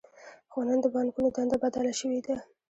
خو نن د بانکونو دنده بدله شوې ده